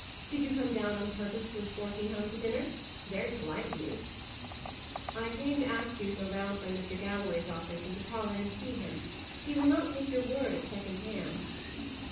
Did you come down on purpose to escort me home to dinner? Very polite of you!" "I came to ask you to go round by Mr. Galloway's office, and to call in and see him. He will not take your word at second hand."